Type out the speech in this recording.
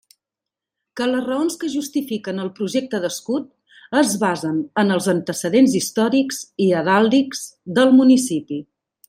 Que les raons que justifiquen el projecte d'escut es basen en els antecedents històrics i heràldics del municipi.